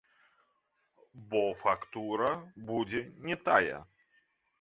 Бо фактура будзе не тая.